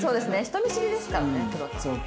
人見知りですからねぷろたん。